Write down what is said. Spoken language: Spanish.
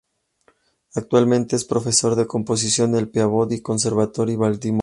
Actualmente es profesor de composición en el Peabody Conservatory, Baltimore.